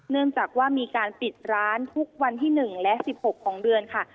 เนื่องจากว่ามีการปิดร้านทุกวันที่๑และ๑๖ของเดือนค่ะ